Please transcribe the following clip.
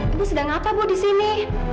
ibu sedang apa bu disini